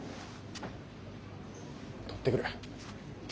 取ってくる。